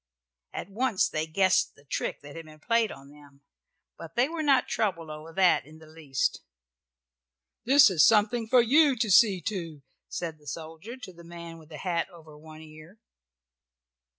At once they guessed the trick that had been played upon them, but they were not troubled over that in the least. "This is something for you to see to," said the soldier to the man with the hat over one ear.